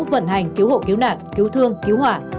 vận hành cứu hộ cứu nạn cứu thương cứu hỏa